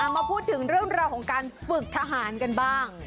มาพูดถึงเรื่องราวของการฝึกทหารกันบ้าง